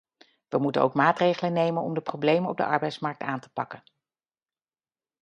We moeten ook maatregelen nemen om de problemen op de arbeidsmarkt aan te pakken.